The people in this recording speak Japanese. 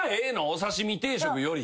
お刺し身定食より。